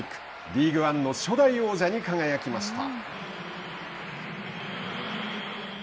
リーグワンの初代王者に輝きました。